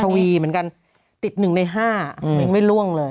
วีเหมือนกันติด๑ใน๕มึงไม่ล่วงเลย